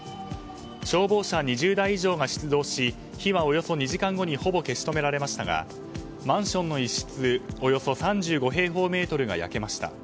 消防車２０台以上が出動し火は、およそ２時間後にほぼ消し止められましたがマンションの一室およそ３５平方メートルが焼けました。